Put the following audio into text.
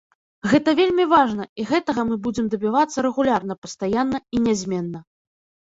Гэта вельмі важна і гэтага мы будзем дабівацца рэгулярна пастаянна і нязменна.